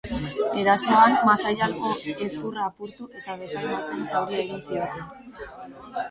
Erasoan, masail-albo hezurra apurtu eta bekain batean zauria egin zioten.